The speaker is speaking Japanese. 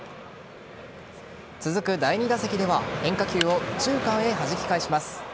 続く第２打席では、変化球を右中間へはじき返します。